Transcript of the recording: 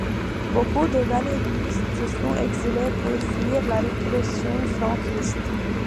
Beaucoup de galléguistes se sont exilés pour fuir la répression franquiste.